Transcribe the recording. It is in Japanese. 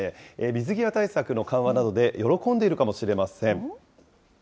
水際対策の緩和などで、喜んでいるかもしれません。